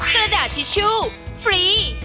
กระดาษทิชชู่ฟรี